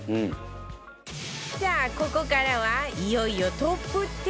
さあここからはいよいよトップ１０